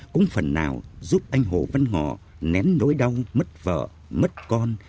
cũng phần nào giúp anh hồ văn ngọ nén nỗi đau mất vợ mất con